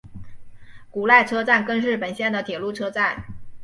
古濑车站根室本线的铁路车站。